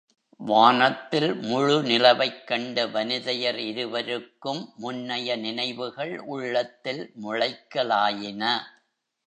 வானத்தில் முழுநிலவைக்கண்ட வனிதையர் இருவர்க்கும் முன்னைய நினைவுகள் உள்ளத்தில் முளைக்கலாயின.